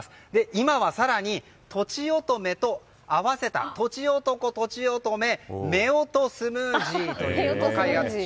今は更にとちおとめと合わせたとちおとこ＆とちおとめ夫婦スムージーを開発中。